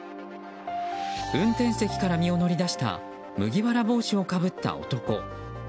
運転席から身を乗り出した麦わら帽子をかぶった男。